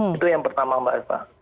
itu yang pertama mbak eva